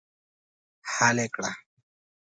حل یې کړه.